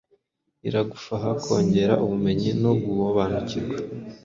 Iragufaha kongera ubumenyi no guobanukirwa